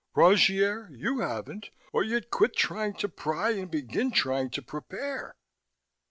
Rogier, you haven't, or you'd quit trying to pry and begin trying to prepare."